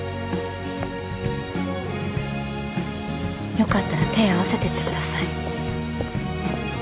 よかったら手合わせてってください。